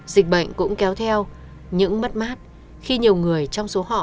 dịch bệnh cũng kéo theo những mất mát khi nhiều người trong số họ